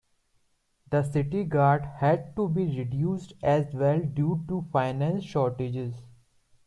The city guard had to be reduced as well due to finance shortages.